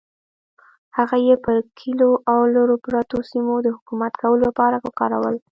هغه یې پر کلیو او لرو پرتو سیمو د حکومت کولو لپاره وکارول.